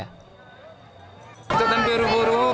kita kan buruh buruh